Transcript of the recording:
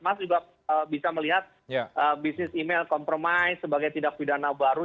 mas juga bisa melihat bisnis email compromize sebagai tindak pidana baru